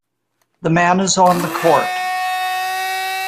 The man is on the Court.